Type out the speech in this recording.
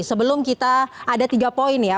sebelum kita ada tiga poin ya